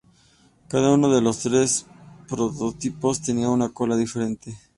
Cada uno de los tres prototipos tenía una cola diferente.